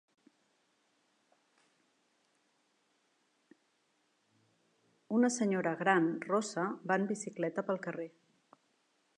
Una senyora gran rossa va en bicicleta pel carrer.